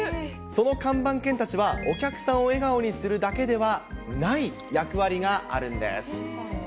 その看板犬たちはお客さんを笑顔にするだけではない役割があるんです。